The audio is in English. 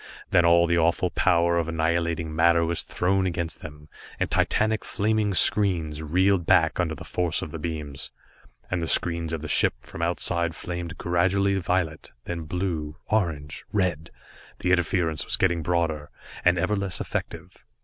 Then all the awful power of annihilating matter was thrown against them, and titanic flaming screens reeled back under the force of the beams, and the screens of the ships from Outside flamed gradually violet, then blue, orange red the interference was getting broader, and ever less effective.